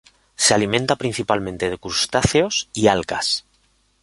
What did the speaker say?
Se alimenta principalmente de crustáceos y algas.